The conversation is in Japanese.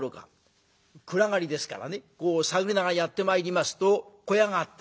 暗がりですからね探りながらやって参りますと小屋があった。